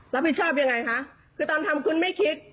รับผิดชอบยังไงคะคือตอนทำคุณไม่คิด